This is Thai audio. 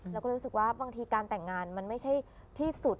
เราก็เลยรู้สึกว่าบางทีการแต่งงานมันไม่ใช่ที่สุด